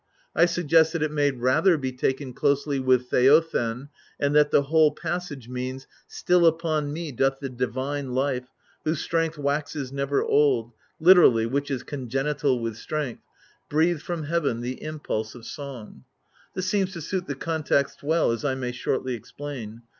I suggest that it may rather be taken closely with OeoOev and that the whole passage means " Still upon me doth the divine life, whose strength waxes never old (///. which is congenital with strength), breathe from heaven the impulse of song." This seems to suit the context well, as I may shortly explain.